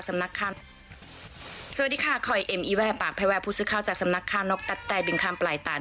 สวัสดีค่ะคอยเอ็มอีแว่ปากภายวัยผู้ซื้อข้าวจากสำนักข้ามนกตัดแต่บิงคามปลายต่าน